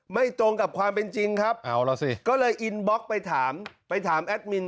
ไม่ตรงกับความเป็นจริงครับก็เลยอินบล็อกไปถามแอดมิน